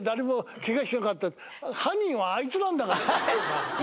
犯人はあいつなんだから。